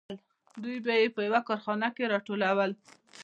دوی به یې په یوه کارخانه کې راټولول